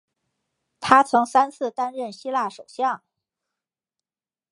他曾三次担任希腊首相。